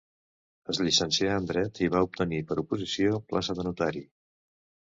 Es llicencià en dret i va obtenir per oposició plaça de notari.